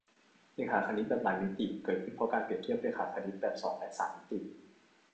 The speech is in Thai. เรขาคณิตแบบหลายมิติ เกิดขึ้นเพราะการเปรียบเทียบเรขาคณิตแบบสองและสามมิติ